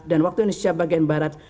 dan waktu indonesia bagian barat